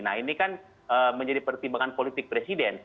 nah ini kan menjadi pertimbangan politik presiden